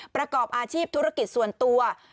ประกอบอาชีพธุรกิจส่วนตัว